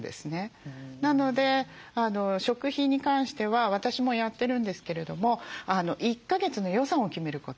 なので食費に関しては私もやってるんですけれども１か月の予算を決めること。